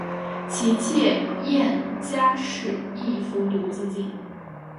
其妾燕佳氏亦服毒自尽。